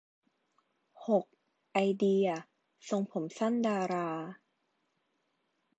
หก ไอเดีย ทรงผมสั้นดารา